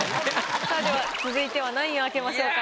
さあでは続いては何位を開けましょうか？